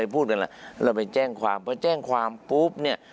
เพราะแจ้งความปุ๊บเนี่ย